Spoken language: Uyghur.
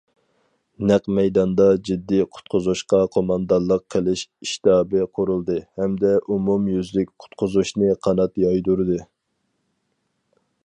نەق مەيداندا جىددىي قۇتقۇزۇشقا قوماندانلىق قىلىش ئىشتابى قۇرۇلدى ھەمدە ئومۇميۈزلۈك قۇتقۇزۇشنى قانات يايدۇردى.